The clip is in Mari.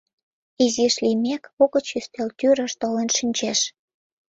Изиш лиймек, угыч ӱстел тӱрыш толын шинчеш.